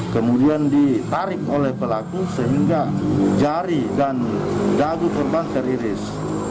kemudian ditarik oleh pelaku sehingga jari dan dagu korban teriris